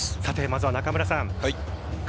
まずは中村さん